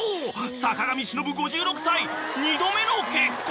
坂上忍５６歳２度目の結婚！］